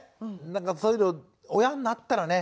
なんかそういうの親になったらね